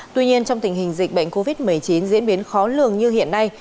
tuy nhiên trong tình hình dịch bệnh covid một mươi chín diễn biến khó lường như hiện nay